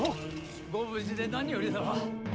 ご無事で何よりだわ。